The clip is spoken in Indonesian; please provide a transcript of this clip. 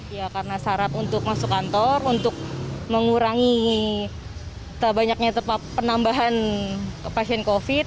ya karena syarat untuk masuk kantor untuk mengurangi banyaknya penambahan pasien covid